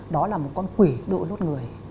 đó là một con quỷ đội lốt người